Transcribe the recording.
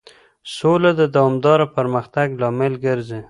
سوله د دوامدار پرمختګ لامل ګرځي.